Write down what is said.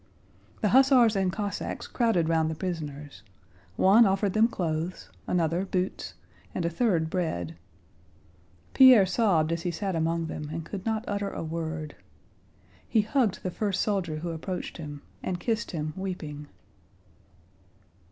The hussars and Cossacks crowded round the prisoners; one offered them clothes, another boots, and a third bread. Pierre sobbed as he sat among them and could not utter a word. He hugged the first soldier who approached him, and kissed him, weeping.